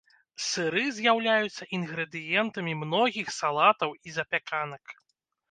Сыры з'яўляюцца інгрэдыентамі многіх салатаў і запяканак.